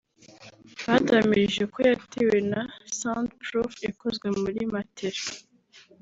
baduhamirije ko yatewe na Sound proof ikozwe muri matela